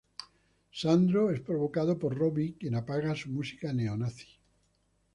Sandro es provocado por Robbie, quien apaga su música neonazi.